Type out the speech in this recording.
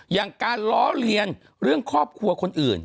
อย่างการล้อเลียนเรื่องครอบครัวคนอื่น